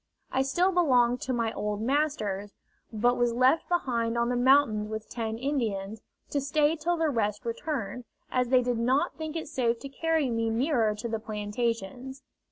I still belonged to my old masters, but was left behind on the mountains with ten Indians, to stay till the rest returned, as they did not think it safe to carry me nearer to the plantations.